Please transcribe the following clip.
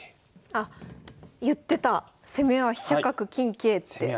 あっ言ってた攻めは飛車角金桂。